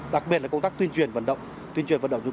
đặc biệt là công tác tuyên truyền vận động